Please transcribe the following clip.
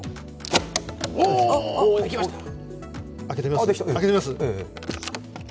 開けてみます？